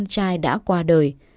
trai đã qua đời